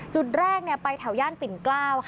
จุดแรกไปแถวย่านปิ่นเกล้าค่ะ